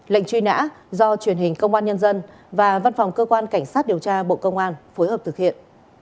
lệnh truy nã do truyền hình công an nhân dân và văn phòng cơ quan cảnh sát điều tra bộ công an phối hợp thực hiện